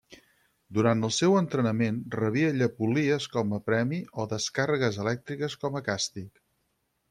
Durant el seu entrenament rebia llepolies com a premi o descàrregues elèctriques com a càstig.